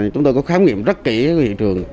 chúng tôi có khám nghiệm rất kỹ hiện trường